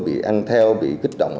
bị ăn theo bị kích động